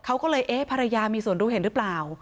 เขาก็เลยเอ๊ะภรรยามีส่วนรู้เห็นหรือเปล่า